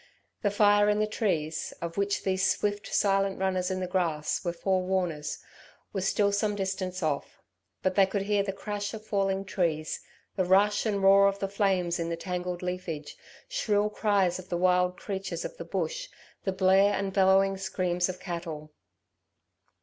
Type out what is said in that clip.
The fire in the trees, of which these swift, silent runners in the grass were fore warners, was still some distance off. But they could hear the crash of falling trees, the rush and roar of the flames in the tangled leafage, shrill cries of the wild creatures of the bush, the blare and bellowing screams of cattle.